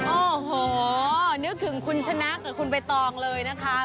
โอ้โหนึกถึงคุณชนะกับคุณใบตองเลยนะคะ